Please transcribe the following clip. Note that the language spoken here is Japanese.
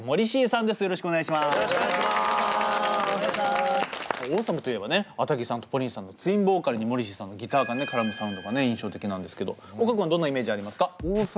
ａｔａｇｉさんとＰＯＲＩＮさんのツインボーカルにモリシーさんのギターが絡むサウンドが印象的なんですけど岡君はどんなイメージありますか？